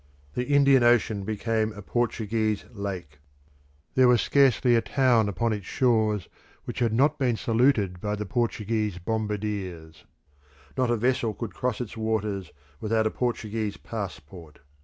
The Indian Ocean became a Portuguese lake. There was scarcely a town upon its shores which had not been saluted by the Portuguese bombardiers. Not a vessel could cross its waters without a Portuguese passport.